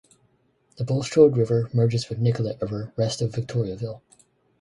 The Bulstrode River merges with Nicolet River west of Victoriaville.